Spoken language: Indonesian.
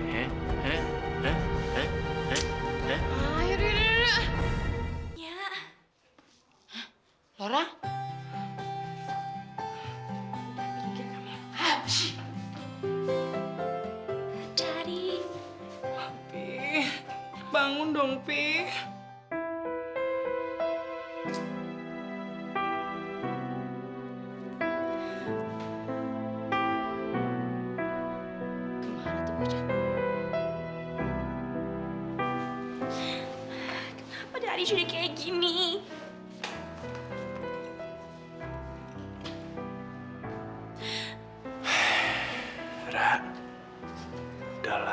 hah bang paul